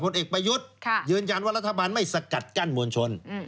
เอกประยุทธ์ยืนยันว่ารัฐบาลไม่สกัดกั้นมวลชน